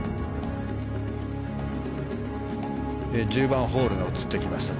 １０番ホールが映ってきました。